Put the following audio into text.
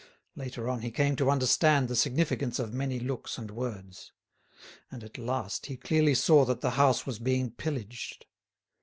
Later on he came to understand the significance of many looks and words. And at last he clearly saw that the house was being pillaged.